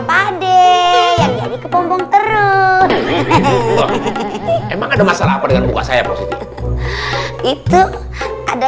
pade yang jadi kepompong terus emang ada masalah apa dengan muka saya itu ada